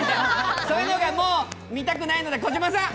そういうのがもう見たくないので、児嶋さん！